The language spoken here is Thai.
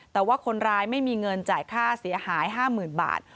แต่ว่าคนร้ายไม่มีเงินจ่ายค่าเสียหาย๕๐๐๐บาท